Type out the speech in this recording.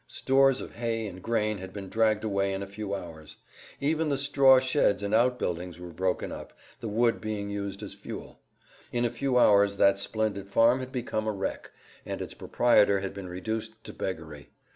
Stores of hay and grain had been dragged away in a few hours. Even the straw sheds and outbuildings were broken up, the wood being used as fuel. In a few hours that splendid farm had become a wreck, and its proprietor had been reduced to beggary.